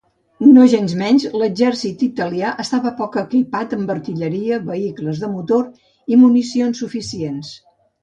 Nogensmenys, l'exèrcit italià estava poc equipat amb artilleria, vehicles de motor i municions suficients.